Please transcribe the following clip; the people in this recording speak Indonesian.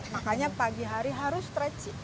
makanya pagi hari harus stretching